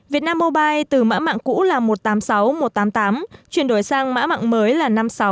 viettel mobile từ mã mạng cũ là một trăm tám mươi sáu một trăm tám mươi tám chuyển đổi sang mã mạng mới là năm mươi sáu năm mươi tám